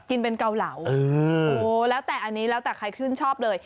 กินเป็นเกาเหลาแล้วแต่อันนี้แล้วแต่ใครชื่นชอบเลย